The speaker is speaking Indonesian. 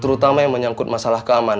terutama yang menyangkut masalah keamanan